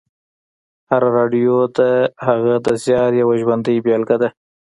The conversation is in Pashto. هره راډیو د هغه د زیار یوه ژوندۍ بېلګې ده